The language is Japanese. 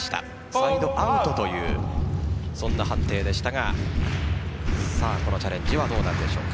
サイドアウトというそんな判定でしたがこのチャレンジはどうなるんでしょうか。